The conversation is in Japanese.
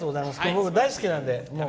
僕、大好きなので。